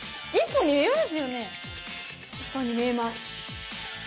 １本に見えます。